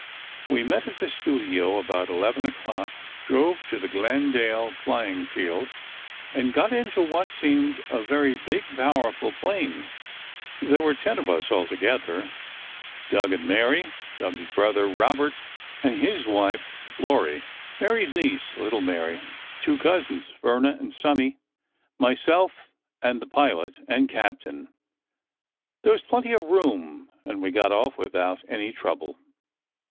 We met at the studio about eleven o'clock, drove to the Glendale Flying Field, and got into what seemed a very big, powerful plane. There were ten of us altogether: Doug and Mary; Doug's brother, Robert, and his wife, Lurie; Mary's niece ('Little Mary'); two cousins, Verna and Sonny; myself, and the pilot and captain. There was plenty of room and we got off without any trouble.